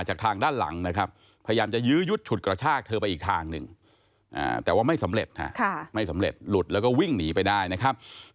จากทางด้านหลังนะครับ